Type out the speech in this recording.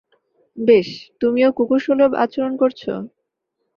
বেশ, তুমিও কুকুরসুলভ আচরণ করছো।